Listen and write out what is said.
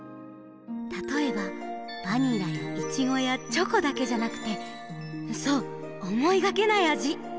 たとえばバニラやイチゴやチョコだけじゃなくてそうおもいがけないあじ！